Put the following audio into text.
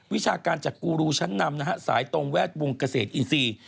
วิชาการจากกูรูชั้นนำนะฮะสายตรงแวดวงเกษตรอินทรีย์